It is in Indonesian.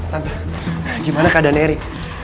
tante gimana keadaan erik